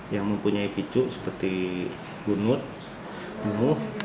yang mempunyai picu seperti bunut bunuh